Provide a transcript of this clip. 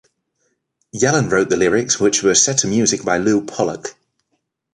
Yellen wrote the lyrics which were set to music by Lew Pollack.